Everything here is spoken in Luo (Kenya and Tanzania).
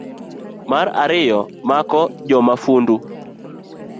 mar ariyo, mako jomafundu